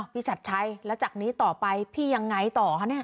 พี่ชัดชัยแล้วจากนี้ต่อไปพี่ยังไงต่อ